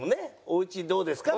おうちどうですか？